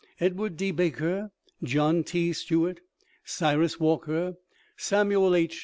Edward D. Baker, John T. Stuart, Cyrus Walker, Samuel H.